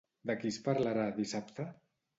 De qui es parlarà dissabte?